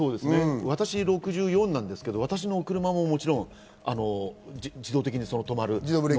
私、６４ですけど、私の車ももちろん自動的に止まる。